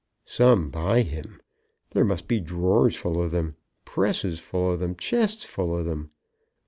Some by him! There must be drawers full of them, presses full of them, chests full of them!